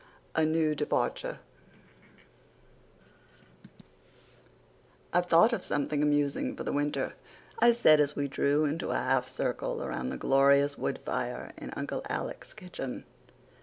A NEW DEPARTURE "I've thought of something amusing for the winter," I said as we drew into a half circle around the glorious wood fire in Uncle Alec's kitchen.